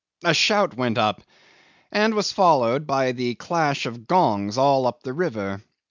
A shout went up, and was followed by a clash of gongs all up the river.